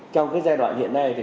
trong giai đoạn hiện nay